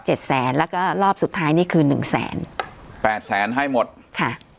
แสนแล้วก็รอบสุดท้ายนี่คือหนึ่งแสนแปดแสนให้หมดค่ะ